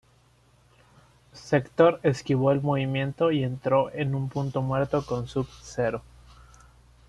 Sektor esquivó el movimiento y entró en un punto muerto con Sub-Zero.